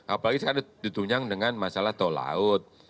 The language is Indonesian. apalagi sekarang ditunjang dengan masalah tol laut